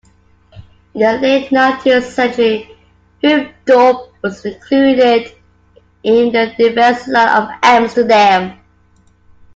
In the late nineteenth century Hoofddorp was included in the Defense line of Amsterdam.